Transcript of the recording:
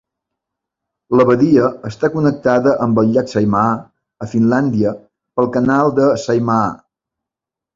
La badia està connectada amb el llac Saimaa, a Finlàndia, pel canal de Saimaa.